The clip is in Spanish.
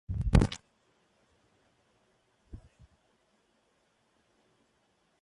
Hideaki Ozawa